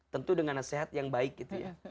tentu dengan nasihat yang baik gitu ya